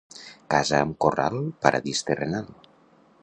Casa amb corral, paradís terrenal.